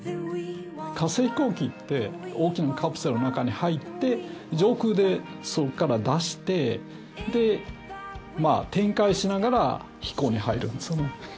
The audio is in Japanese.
火星飛行機って大きなカプセルの中に入って上空でそこから出してでまあ展開しながら飛行に入るんですよね。